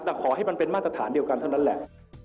แต่ขอให้มันเป็นมาตรฐานเดียวกันเท่านั้นแหละ